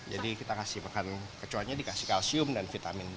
jadi kita kasih makan kecoanya dikasih kalsium dan vitamin